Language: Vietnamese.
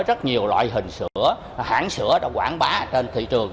rất nhiều loại hình sữa hãng sữa đã quảng bá trên thị trường